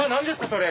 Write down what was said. それ。